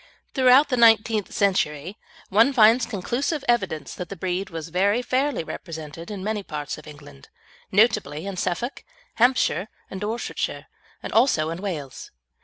Throughout the nineteenth century, one finds conclusive evidence that the breed was very fairly represented in many parts of England, notably in Suffolk, Hampshire, and Dorsetshire, and also in Wales.